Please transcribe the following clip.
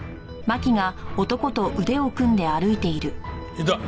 いた。